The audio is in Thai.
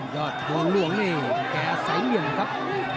ยอดภูหลวงนี่แก้ใส่เหมืองครับ